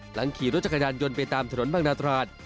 หลังขี่รถจักรยานยนต์ไปตามถนนบางนาตราด